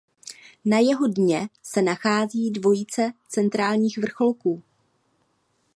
Na jeho dně se nachází dvojice centrálních vrcholků.